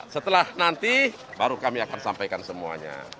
setelah nanti baru kami akan sampaikan semuanya